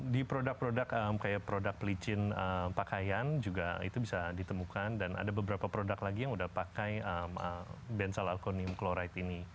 di produk produk kayak produk licin pakaian juga itu bisa ditemukan dan ada beberapa produk lagi yang udah pakai bensel aconim kloride ini